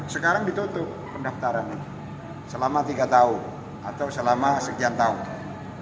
sekarang ditutup pendaftaran itu selama tiga tahun atau selama sekian tahun